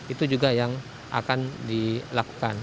itu juga yang akan dilakukan